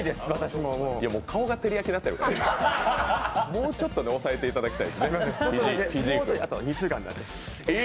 もう顔が照り焼きになってるから、もうちょっと抑えていただきたい。